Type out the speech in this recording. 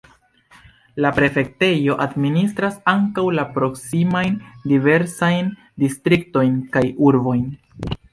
La prefektejo administras ankaŭ la proksimajn diversajn distriktojn kaj urbojn.